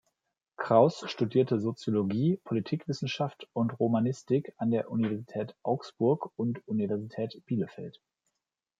Kraus studierte Soziologie, Politikwissenschaft und Romanistik an der Universität Augsburg und Universität Bielefeld.